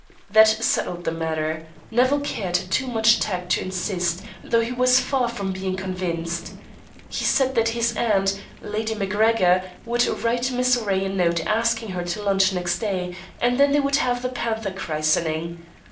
That settled the matter. Nevill Caird had too much tact to insist, though he was far from being convinced. He said that his aunt, Lady MacGregor, would write Miss Ray a note asking her to lunch next day, and then they would have the panther christening.